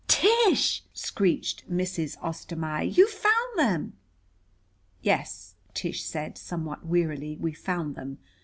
"Tish!" screeched Mrs. Ostermaier. "You found them!" "Yes," Tish said somewhat wearily, "we found them.